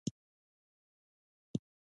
ایا زه ماسک لرې کولی شم؟